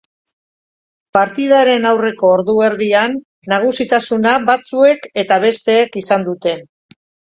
Partidaren aurreneko ordu erdian nagusitasuna batzuek eta besteek izan dute.